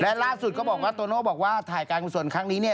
และล่าสุดเขาบอกว่าโตโน้บอกว่าถ่ายการกูสดครั้งนี้